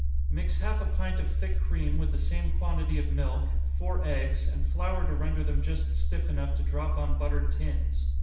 _ Mix half a pint of thick cream with the same quantity of milk, four eggs, and flour to render them just stiff enough to drop on buttered tins.